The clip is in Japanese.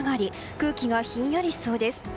空気がひんやりしそうです。